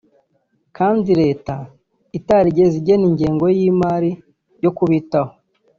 kandi leta itarigeze igena ingengo y’imari yo kubitaho